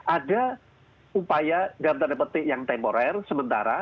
ada upaya dalam tanda petik yang temporer sementara